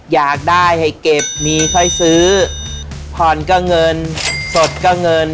อยากได้ให้เก็บมีค่อยซื้อผ่อนก็เงินสดก็เงิน